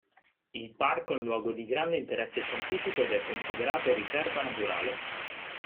Il parco è un luogo di grande interesse scientifico ed è considerato Riserva Naturale.